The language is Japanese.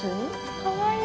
かわいい。